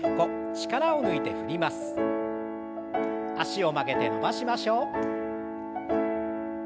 脚を曲げて伸ばしましょう。